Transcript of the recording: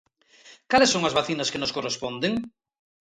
¿Cales son as vacinas que nos corresponden?